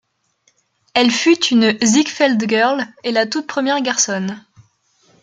Elle fut une Ziegfeld girl et la toute première garçonne.